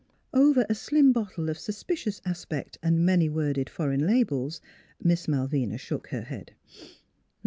Over a slim bottle of suspicious aspect and many worded foreign labels Miss Malvina shook her head.